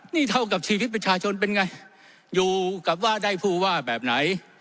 นี่เท่ากับชีวิตประชาชนเป็นไงอยู่กับว่าได้ผู้ว่าแบบไหน